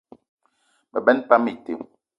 Me benn pam ite.